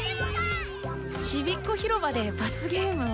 ちびっ子広場で罰ゲームを。